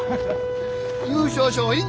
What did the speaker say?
優勝賞品